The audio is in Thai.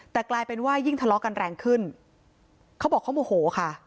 แต่กลายเป็นว่ายิ่งทะเลาะกันแรงขึ้นเขาบอกเขาโมโหค่ะ